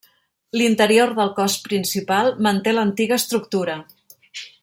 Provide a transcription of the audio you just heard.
L’interior del cos principal, manté l’antiga estructura.